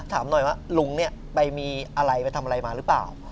ถามหน่อยว่าลุงเนี่ยไปมีอะไรไปทำอะไรมาหรือเปล่า